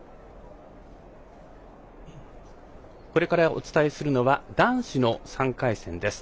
これからお伝えするのは男子の３回戦です。